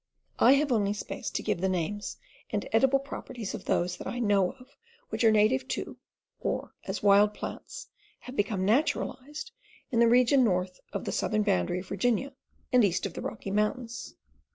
I have only space to give the names and edible properties of those that I know of which are nativeto, or, as wild plants, have become naturalized in the region north of the southern boundary of Virginia and east of the Rocky Mountains.